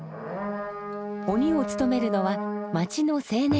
鬼を務めるのは町の青年団。